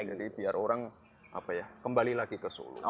jadi biar orang kembali lagi ke solo